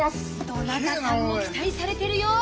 どなたさんも期待されてるよ。